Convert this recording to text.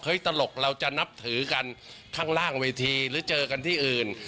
ตลกเราจะนับถือกันข้างล่างเวทีหรือเจอกันที่อื่น